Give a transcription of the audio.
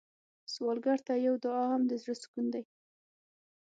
سوالګر ته یو دعا هم د زړه سکون دی